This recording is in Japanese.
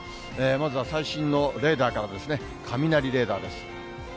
まずは最新のレーダーからですね、雷レーダーです。